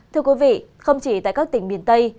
thưa quý vị không chỉ tại các tỉnh miền tây